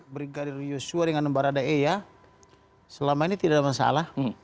brigadir yosua dengan baradae ya selama ini tidak ada masalah